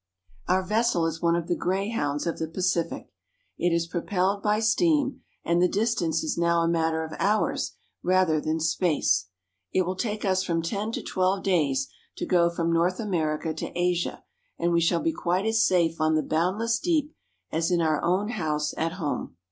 Our vessel is one of the greyhounds of the Pacific. It is propelled by steam, and the distance is now a matter of hours rather than space. It will take us from ten to twelve days to go from North America to Asia, and we shall be quite as safe on the boundless deep as in our own house at home.